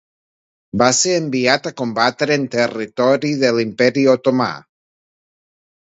Va ser enviat a combatre en territori de l'Imperi Otomà.